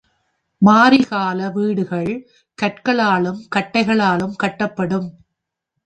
மாரிக்கால வீடுகள் கற்களாலும், கட்டைகளாலும் கட்டப்படும்.